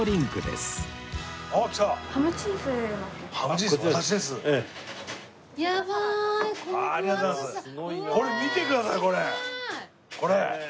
すごい！これ見てください！